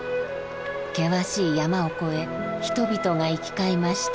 険しい山を越え人々が行き交いました。